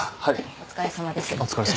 お疲れさまです。